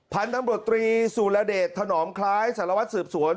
พันธุ์ตำรวจตรีสุรเดชถนอมคล้ายสารวัตรสืบสวน